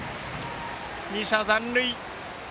２者残塁。